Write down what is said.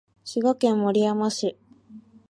滋賀県守山市